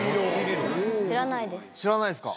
知らないですか？